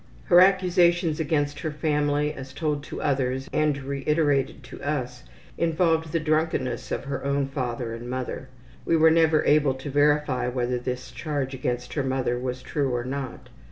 Her accusations against her family as told to others, and reiterated to us, involved the drunkenness of her own father and mother. (We were never able to verify whether this charge against her mother was true or not.)